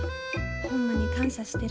ホンマに感謝してる。